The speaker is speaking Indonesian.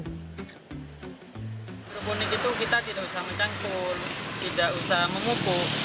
hidroponik itu kita tidak usah mencangkul tidak usah mengukuh